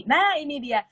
nah ini dia